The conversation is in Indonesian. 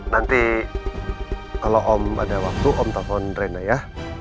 nanti kalau om ada waktu om telpon rena ya